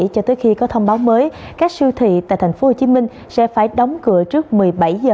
cho tới khi có thông báo mới các siêu thị tại tp hcm sẽ phải đóng cửa trước một mươi bảy h